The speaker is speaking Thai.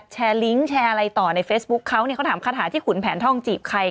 ลิงก์แชร์อะไรต่อในเฟซบุ๊คเขาเนี่ยเขาถามคาถาที่ขุนแผนท่องจีบใคร